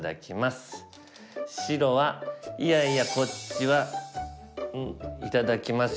白はいやいやこっちは頂きますよ